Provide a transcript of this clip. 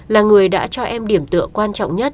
là người đã cho em điểm tựa quan trọng nhất